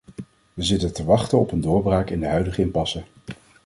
We zitten te wachten op een doorbraak in de huidige impasse.